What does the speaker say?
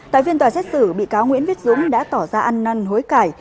tại phiên tòa xét xử bị cáo nguyễn viết dũng đã tỏ ra ăn năn hối cải